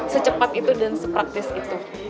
secepat itu dan sepraktis itu